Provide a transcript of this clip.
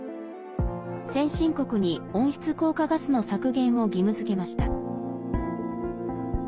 先進国に温室効果ガスの削減を義務づけました。